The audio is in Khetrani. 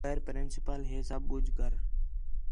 خیر پرنسپل ہے سب ٻُجھ کر